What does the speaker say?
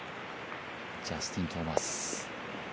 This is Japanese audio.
ジャスティン・トーマス。